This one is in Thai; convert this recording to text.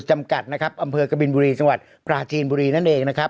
จำกัดนะครับอำเภอกบินบุรีจังหวัดปราจีนบุรีนั่นเองนะครับ